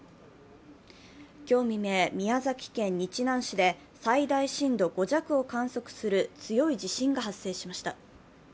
今日未明、宮崎県日南市で最大震度５弱を観測する強い地震が発生しました。